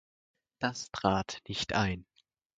Das trat nicht ein.